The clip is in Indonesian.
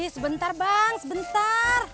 sebentar bang sebentar